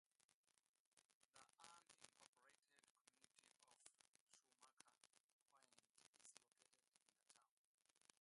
The unincorporated community of Shoemaker Point is located in the town.